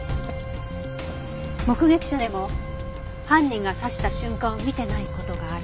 目撃者でも犯人が刺した瞬間を見てない事がある。